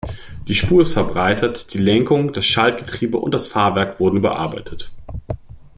Die Spur ist verbreitert, die Lenkung, das Schaltgetriebe und das Fahrwerk wurden überarbeitet.